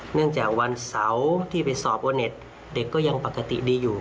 เนื่องจากวันเสาร์ที่ไปสอบโอเน็ตเด็กก็ยังปกติดีอยู่